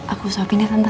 aku kusiapin ya tante